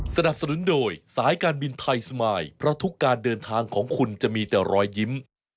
สนับสนุนโดยสายการบินไทยสมายเพราะทุกการเดินทางของคุณจะมีแต่รอยยิ้ม